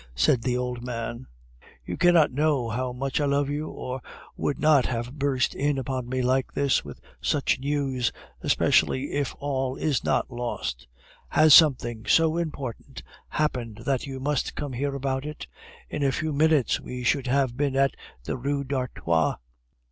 said the old man. "You cannot know how much I love you, or you would not have burst in upon me like this, with such news, especially if all is not lost. Has something so important happened that you must come here about it? In a few minutes we should have been in the Rue d'Artois."